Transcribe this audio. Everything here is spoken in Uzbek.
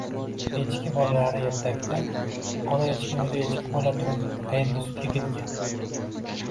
Echki bolalari ertagida, ona echki o'zi echki bo'la turib qayerga sutga ketgan??